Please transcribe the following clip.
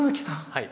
はい。